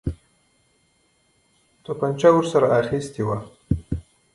توپنچه ورسره اخیستې وه.